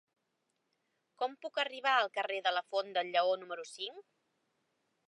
Com puc arribar al carrer de la Font del Lleó número cinc?